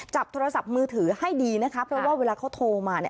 จับโทรศัพท์มือถือให้ดีนะคะเพราะว่าเวลาเขาโทรมาเนี่ย